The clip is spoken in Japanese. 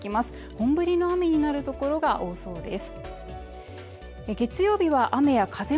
本降りの雨になる所が多そうです